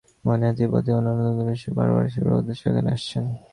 মনে হয়, তিব্বতী ও অন্যান্য উত্তরদেশীয় বৌদ্ধগণ বরাবরই শিবপূজার উদ্দেশ্যে এখানে আসছেন।